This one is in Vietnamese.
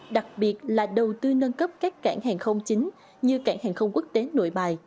đặc biệt là đầu tư nâng cấp các cảng hàng không chính như cảng hàng không quốc tế nội bài